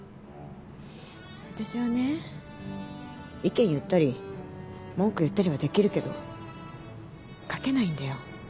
私はね意見言ったり文句言ったりはできるけど書けないんだよ。